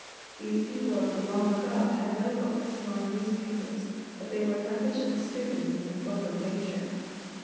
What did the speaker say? These people of the long ago had no books nor newspapers, but they were proficient students in the book of nature.